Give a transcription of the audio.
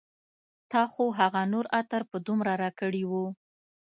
تا خو هغه نور عطر په دومره راکړي و